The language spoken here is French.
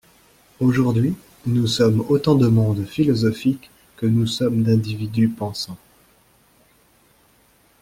Aujourd’hui, nous sommes autant de mondes philosophiques que nous sommes d’individus pensants.